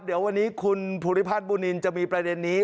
เดี๋ยววันนี้คุณภูริพัฒน์บุญนินจะมีประเด็นนี้